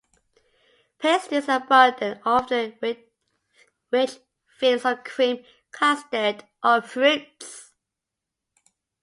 Pastries are abundant, often with rich fillings of cream, custard or fruits.